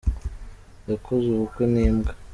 Yakoze ubukwe n’imbwa